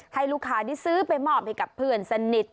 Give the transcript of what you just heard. ให้ลูกค้าที่ซื้อไปมอบให้กับเพื่อนสนิท